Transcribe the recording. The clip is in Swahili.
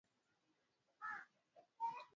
Kutoa sauti ya maumivu au kukoroma au kulia